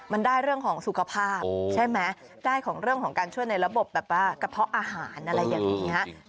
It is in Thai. มันได้เรื่องของสุขภาพใช่ไหมได้ของเรื่องของการช่วยในระบบแบบว่ากระเพาะอาหารอะไรอย่างนี้